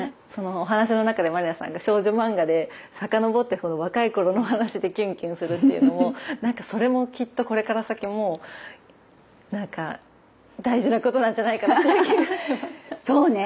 お話の中で満里奈さんが少女漫画で遡って若い頃のお話でキュンキュンするっていうのもそれもきっとこれから先もなんか大事なことなんじゃないかなっていう気がしました。